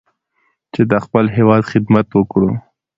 چې د خپل هېواد خدمت وکړو.